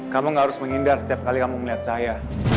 kamu gak harus menghindar setiap kali kamu melihat saya